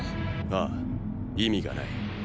ああ意味がない。